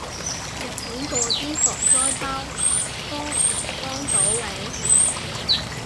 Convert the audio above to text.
日本嗰啲防災包幫唔幫到你？